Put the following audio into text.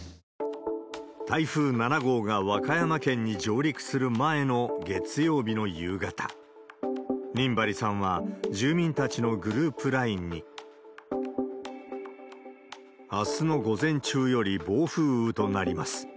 台風７号が和歌山県に上陸する前の月曜日の夕方、仁張さんは、住民たちのグループＬＩＮＥに。あすの午前中より暴風雨となります。